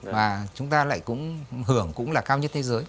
và chúng ta lại cũng hưởng cũng là cao nhất thế giới